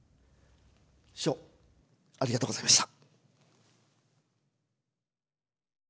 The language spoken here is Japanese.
師匠ありがとうございました。